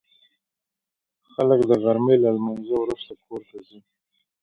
خلک د غرمې له لمانځه وروسته کور ته ځي